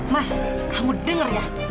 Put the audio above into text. mas kamu denger ya